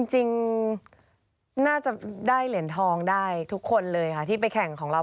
จริงน่าจะได้เหรียญทองได้ทุกคนเลยค่ะที่ไปแข่งของเรา